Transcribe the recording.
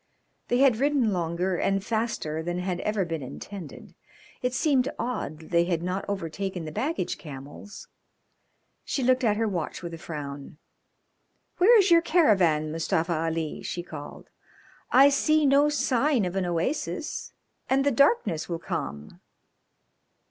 They had ridden longer and faster than had ever been intended. It seemed odd that they had not overtaken the baggage camels. She looked at her watch with a frown. "Where is your caravan, Mustafa Ali?" she called. "I see no sign of an oasis, and the darkness will come."